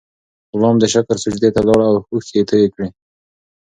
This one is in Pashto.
غلام د شکر سجدې ته لاړ او اوښکې یې تویې کړې.